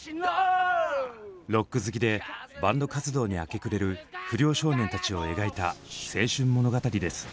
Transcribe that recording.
ロック好きでバンド活動に明け暮れる不良少年たちを描いた青春物語です。